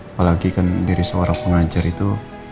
apalagi kan diri seorang pengajar itu